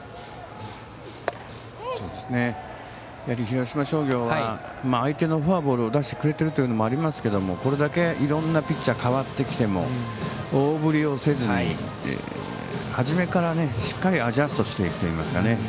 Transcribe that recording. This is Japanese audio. やはり広島商業は相手がフォアボールを出してくれてるというのもありますけどもこれだけいろんなピッチャーが代わってきても大振りをせずに、はじめからしっかりアジャストしていくといいますかね。